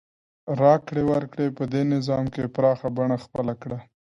راکړې ورکړې په دې نظام کې پراخه بڼه خپله کړه.